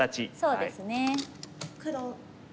そうですね。